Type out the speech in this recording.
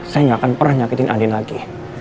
saya gak akan pernah nyakitin andin lagi